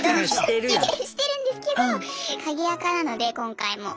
してるんですけど鍵アカなので今回も。